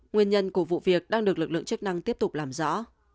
nguyên nhân của vụ việc đang được lực lượng chức năng tiếp tục làm rõ